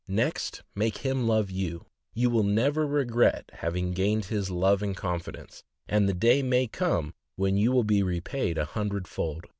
next make him love you; yon will never regret having gained his love and confidence, and the day may come when you will be repaid an hundred fold.